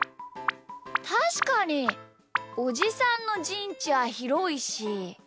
たしかにおじさんのじんちはひろいし。